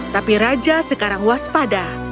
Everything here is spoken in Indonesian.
tapi raja sekarang waspada